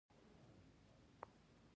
آیا د اسونو ځغلول یوه لرغونې لوبه نه ده؟